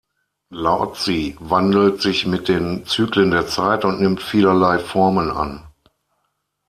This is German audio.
Laozi wandelt sich mit den Zyklen der Zeit und nimmt vielerlei Formen an.